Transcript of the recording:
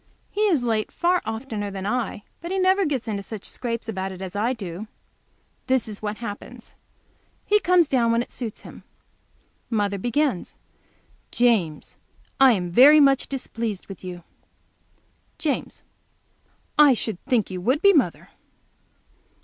He is late far oftener than I am, but he never gets into such scrapes about it as I do. This is what happens. He comes down when it suits him. Mother begins. "James, I am very much displeased with you." James. "I should think you would be, mother."